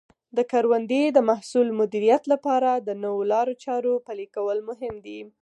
د کروندې د محصول مدیریت لپاره د نوو لارو چارو پلي کول مهم دي.